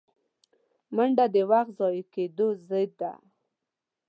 منډه د وخت ضایع کېدو ضد ده